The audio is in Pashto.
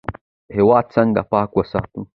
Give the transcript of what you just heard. هیواد څنګه پاک وساتو؟